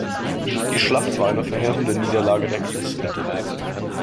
Die Schlacht war eine verheerende Niederlage der Christen.